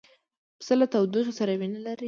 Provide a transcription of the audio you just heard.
پسه له تودوخې سره مینه لري.